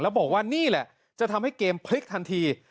แล้วบอกว่านี่แหละจะทำให้เกมพลิกทันที